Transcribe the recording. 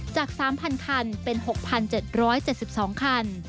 จาก๓๐๐คันเป็น๖๗๗๒คัน